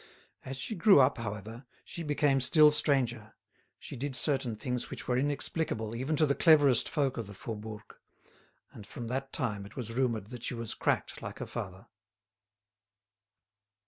As she grew up, however, she became still stranger; she did certain things which were inexplicable even to the cleverest folk of the Faubourg, and from that time it was rumoured that she was cracked like her father.